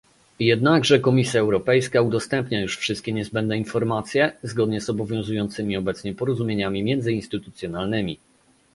Jednakże Komisja Europejska udostępnia już wszystkie niezbędne informacje, zgodnie z obowiązującymi obecnie porozumieniami międzyinstytucjonalnymi